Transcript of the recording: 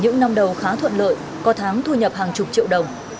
những năm đầu khá thuận lợi có tháng thu nhập hàng chục triệu đồng